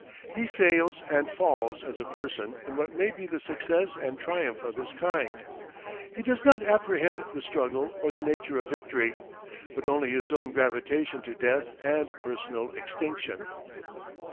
He fails and falls as a person in what may be the success and triumph of his kind. He does not apprehend the struggle or the nature of victory, but only his own gravitation to death and personal extinction.